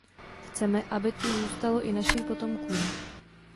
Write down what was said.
Chceme, aby tu zůstalo i našim potomkům.